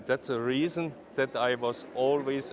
dan itu adalah alasan saya selalu mencoba